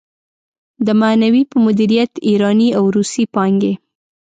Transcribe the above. د معنوي په مديريت ايراني او روسي پانګې.